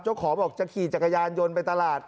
เจ้าของบอกจะขี่จักรยานยนต์ไปตลาด